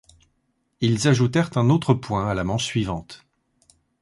Ils ajoutèrent un autre point à la manche suivante.